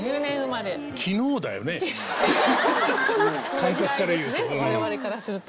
感覚から言うと。